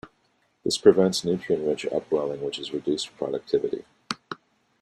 This prevents nutrient-rich upwelling which has reduced productivity.